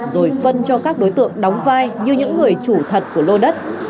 rồi phân cho các đối tượng đóng vai như những người chủ thật của lô đất